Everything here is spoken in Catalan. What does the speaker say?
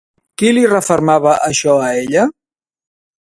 Què li refermava això a ella?